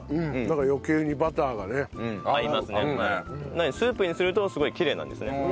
なのでスープにするとすごいきれいなんですね。